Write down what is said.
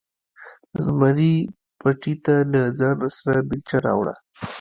زمري پټي ته له ځانه سره بیلچه راوړه.